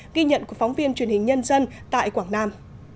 ghi nhận của phóng viên truyền hình nhân dân tại quảng nam